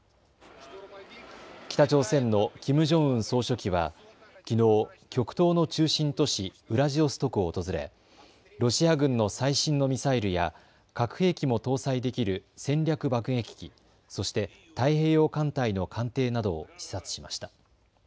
北朝鮮のキム・ジョンウン総書記はきのう、極東の中心都市ウラジオストクを訪れロシア軍の最新のミサイルや核兵器も搭載できる戦略爆撃機、そして太平洋艦隊の艦艇などを視察しました。